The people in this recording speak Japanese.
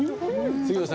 杉野さん